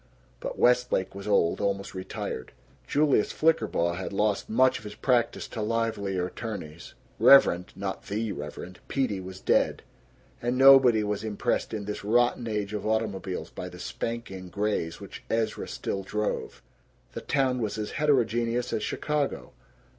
But Westlake was old, almost retired; Julius Flickerbaugh had lost much of his practice to livelier attorneys; Reverend (not The Reverend) Peedy was dead; and nobody was impressed in this rotten age of automobiles by the "spanking grays" which Ezra still drove. The town was as heterogeneous as Chicago.